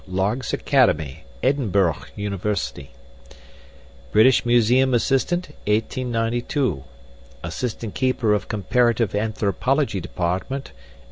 Largs Academy; Edinburgh University. British Museum Assistant, 1892. Assistant Keeper of Comparative Anthropology Department, 1893.